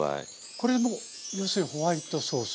これも要するにホワイトソース？